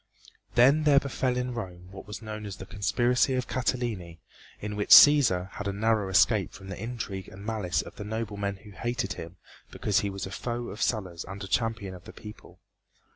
Then there befell in Rome what was known as the conspiracy of Catiline, in which Cæsar had a narrow escape from the intrigue and malice of the noblemen who hated him because he was a foe of Sulla's and a champion of the people.